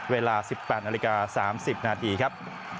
เวลา๑๘นาฬิกา๓๐นาทีครับ